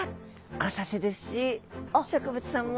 浅瀬ですし植物さんも。